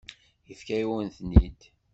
Yefka-yawen-ten-id.